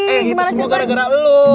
eh itu semua gara gara lu